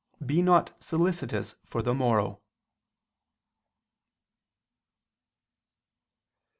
. not solicitous for the morrow."